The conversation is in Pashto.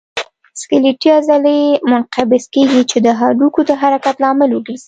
سکلیټي عضلې منقبض کېږي چې د هډوکو د حرکت لامل وګرځي.